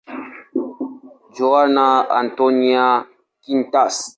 Joana Antónia Quintas.